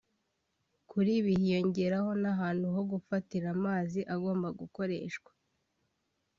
Kuri ibi hiyongeraho n’ahantu ho gufatira amazi agomba gukoreshwa